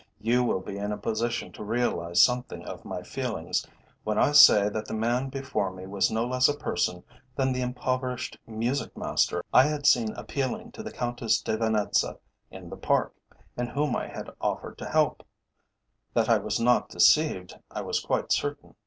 You will be in a position to realize something of my feelings, when I say that the man before me was no less a person than the impoverished music master I had seen appealing to the Countess de Venetza in the Park, and whom I had offered to help. That I was not deceived I was quite certain.